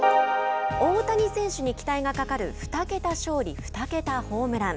大谷選手に期待がかかる２桁勝利２桁ホームラン。